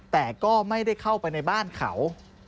แต่ก็ไม่ได้เข้าไปในบ้านเขา